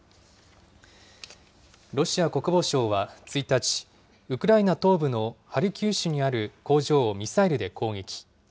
ロシア国防省は１日、ウクライナ東部のハルキウ市にある工場をミサイルで攻撃。